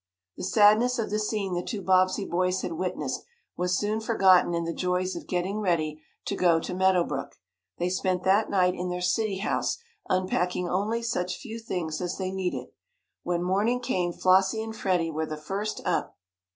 The sadness of the scene the two Bobbsey boys had witnessed was soon forgotten in the joys of getting ready to go to Meadow Brook. They spent that night in their city house, unpacking only such few things as they needed. When morning came Flossie and Freddie were the first up.